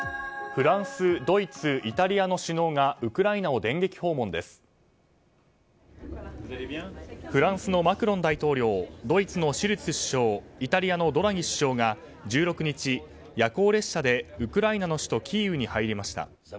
フランスのマクロン大統領ドイツのショルツ首相イタリアのドラギ首相が、１６日夜行列車でウクライナの首都キーウに入りました。